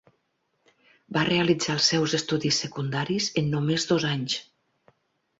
Va realitzar els seus estudis secundaris en només dos anys.